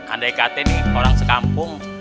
andai kata nih orang sekampung